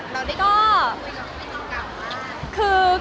เราได้เห็นกันไหม